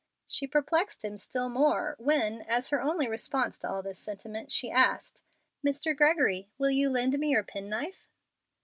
She perplexed him still more when, as her only response to all this sentiment, she asked, "Mr. Gregory, will you lend me your penknife?"